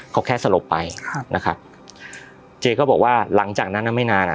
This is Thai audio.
เขาแค่สลบไปครับนะครับเจก็บอกว่าหลังจากนั้นน่ะไม่นานอ่ะ